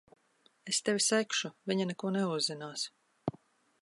Es tevi segšu. Viņa neko neuzzinās.